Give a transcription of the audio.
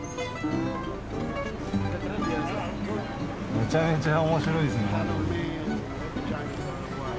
めちゃめちゃ面白いですね。